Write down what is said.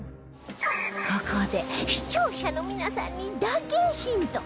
ここで視聴者の皆さんにだけヒント